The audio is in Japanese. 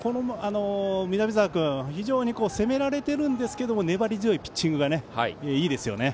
南澤君は非常に攻められていますが粘り強いピッチングがいいですよね。